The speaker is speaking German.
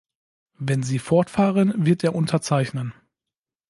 Wenn Sie fortfahren, wird er unterzeichnen.